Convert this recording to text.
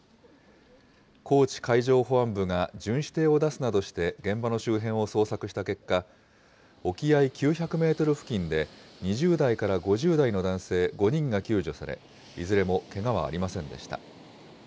高知海上保安部が巡視艇を出すなどして、現場の周辺を捜索した結果、沖合９００メートル付近で、２０代から５０代の男性５人が救助され、いずれもけがはありませんでした。